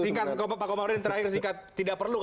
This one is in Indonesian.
singkat pak komarudi terakhir